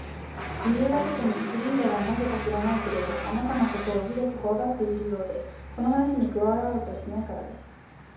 その理由はとくに、フリーダがなぜか知らないけれど、あなたのことをひどくこわがっているようで、この話に加わろうとしないからです。